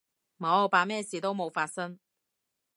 冇，扮咩事都冇發生